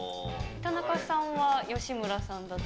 田中さんは、吉村さんだと？